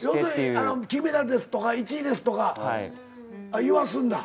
金メダルですとか１位ですとか言わすんだ。